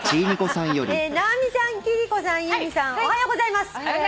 「直美さん貴理子さん由美さんおはようございます」